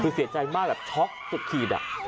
คือเสียใจมากแบบช็อกสุดขีดอะ